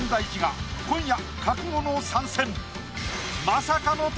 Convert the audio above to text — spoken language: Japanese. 今夜覚悟の参戦！